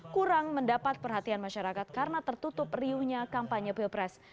kurang mendapat perhatian masyarakat karena tertutup riuhnya kampanye pilpres